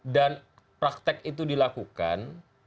dan praktek itu dilakukan